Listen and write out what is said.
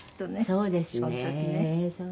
そうですね。